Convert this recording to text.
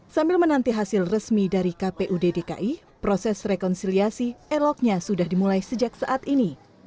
sambil menanti hasil resmi dari kpud dki proses rekonsiliasi eloknya sudah dimulai sejak saat ini